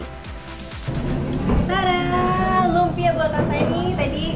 taraaa lumpia buatan saya ini tadi